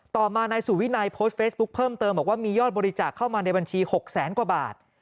ต่อมานายสุวินัยโพสต์เฟซบุ๊คเพิ่มเติมบอกว่ามียอดบริจาคเข้ามาในบัญชี๖แสนกว่าบาท